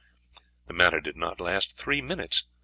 The matter did not last three minutes.